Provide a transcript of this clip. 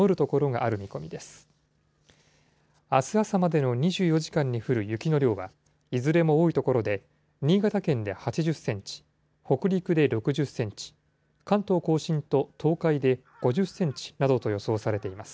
あす朝までの２４時間に降る雪の量は、いずれも多い所で、新潟県で８０センチ、北陸で６０センチ、関東甲信と東海で５０センチなどと予想されています。